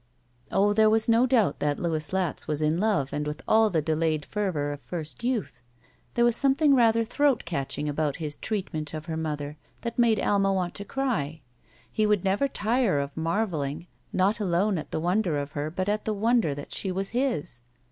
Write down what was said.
Oh, there was no doubt that Louis Latz was in love and with all the delayed fervor of first youth. There was something rather throat catching about his treatment of her mother that made Alma want to cry. He would never tire of marveling, not alone at the wonder of her, but at the wonder that she was his.